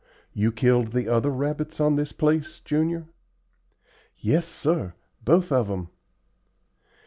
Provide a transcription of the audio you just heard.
You killed the other rabbits on this place, Junior?" "Yes, sir, both of 'em."